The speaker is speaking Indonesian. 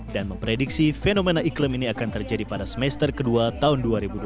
dan memprediksi fenomena iklim ini akan terjadi pada semester kedua tahun dua ribu dua puluh tiga